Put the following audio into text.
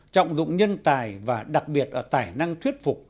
trọng dụng nhân tài và đặc biệt ở tài năng thuyết phục